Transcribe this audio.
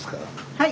はい。